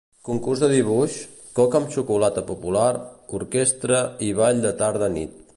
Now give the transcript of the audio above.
Concurs de dibuix, coca amb xocolata popular, orquestra i ball de tarda-nit.